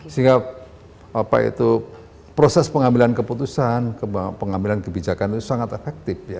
sehingga proses pengambilan keputusan pengambilan kebijakan itu sangat efektif